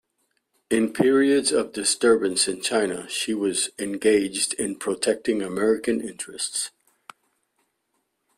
In periods of disturbance in China she was engaged in protecting American interests.